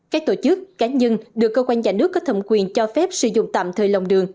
các tổ chức cá nhân được cơ quan nhà nước có thẩm quyền cho phép sử dụng tạm thời lòng đường